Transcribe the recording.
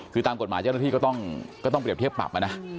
คือตามกฎหมายเจ้าหน้าที่ก็ต้องเปรียบเทียบปรับนะ